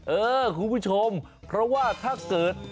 เออคุณผู้ชมเพราะว่าถ้าเกิด